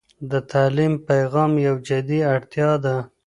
د تعلیم پیغام یو جدي اړتيا ده.